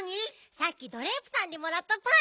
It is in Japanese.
さっきドレープさんにもらったパイ。